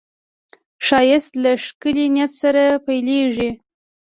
ښایست له ښکلي نیت سره پیلېږي